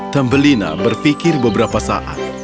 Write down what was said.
tambelina berfikir beberapa saat